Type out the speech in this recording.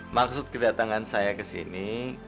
maksud kedatangan saya kesini